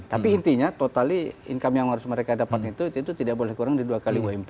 tapi intinya totali income yang harus mereka dapat itu itu tidak boleh kurang di dua kali ump